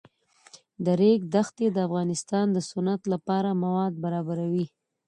د ریګ دښتې د افغانستان د صنعت لپاره مواد برابروي.